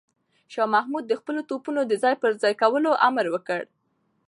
شاه محمود د خپلو توپونو د ځای پر ځای کولو امر وکړ.